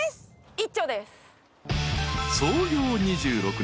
一丁です。